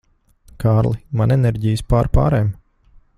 Kārli, man enerģijas pārpārēm.